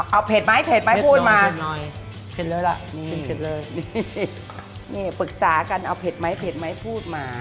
เอาเผ็ดไหมเผ็ดไหมพูดมาเผ็ดเลยล่ะนี่เผ็ดเลยนี่ปรึกษากันเอาเผ็ดไหมเผ็ดไหมพูดมา